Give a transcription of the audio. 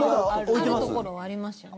あるところありますよね。